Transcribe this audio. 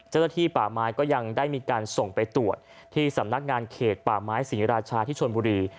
เจ้าหน้าที่ป่าไม้ก็ยังได้มีการส่งไปตรวจที่สำนักงานเขตป่าไม้ศรีราชาที่ชนบุรี